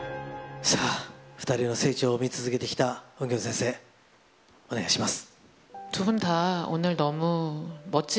さあ、２人の成長を見続けてきたウンギョン先生、お願いします。